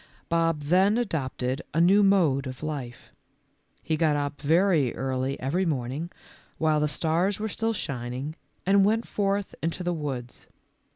Bob then adopted a new mode of life. He got up very early every morning, while the stars were still shining, and went forth into the woods.